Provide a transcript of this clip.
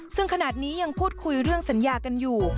ซึ่งขนาดนี้ยังพูดคุยเรื่องสัญญากันอยู่